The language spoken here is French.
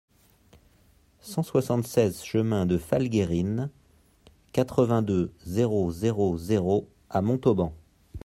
cent soixante-seize chemin de Falgayrines, quatre-vingt-deux, zéro zéro zéro à Montauban